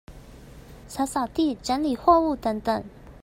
掃掃地、整理貨物等等